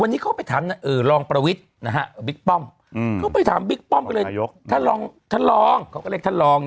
อันนี้ก็ยังเกิดเป็นประเด็นเกิดเขื่อมามากเป็น